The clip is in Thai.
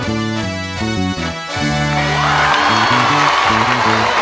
ก็ยังไงกัน